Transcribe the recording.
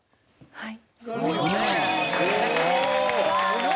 はい。